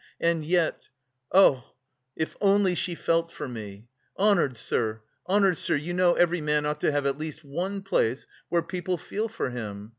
And yet... oh, if only she felt for me! Honoured sir, honoured sir, you know every man ought to have at least one place where people feel for him!